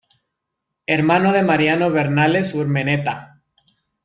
Hermano de Mariano Bernales Urmeneta.